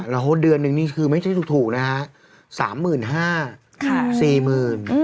แล้วโหดเดือนนึงนี่คือไม่ใช่ถูกนะฮะ๓๕๐๐บาท๔๐๐๐๐บาท